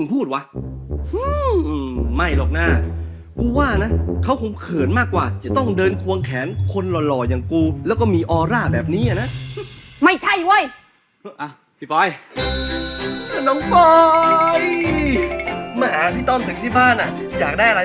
คุณหลุมแกเอาปุ๋ยปลอมไปขายให้ชาวบ้านเหรอ